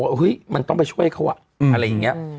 เฮ้ยมันต้องไปช่วยเขาอะไรอย่างนี้